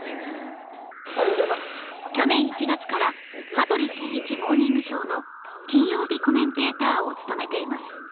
去年１月から『羽鳥慎一モーニングショー』の金曜日コメンテーターを務めています